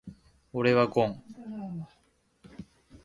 俺はゴン。